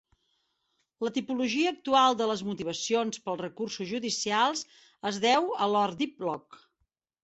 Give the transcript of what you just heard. La tipologia actual de les motivacions per als recursos judicials es deu a Lord Diplock.